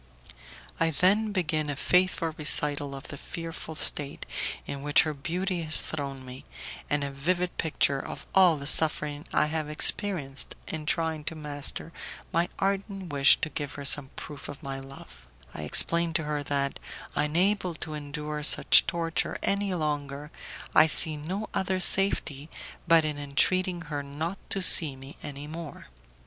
I then begin a faithful recital of the fearful state in which her beauty has thrown me, and a vivid picture of all the suffering I have experienced in trying to master my ardent wish to give her some proof of my love; I explain to her that, unable to endure such torture any longer, I see no other safety but in entreating her not to see me any more.